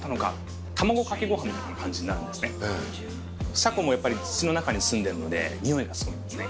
しゃこもやっぱり土の中にすんでるのでにおいがすごいんですね